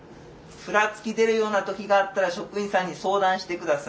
ふらつき出るような時があったら職員さんに相談して下さい。